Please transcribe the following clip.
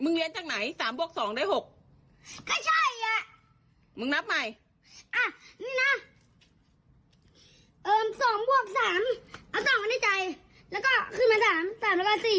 นับใจแต่ที่มาในใจ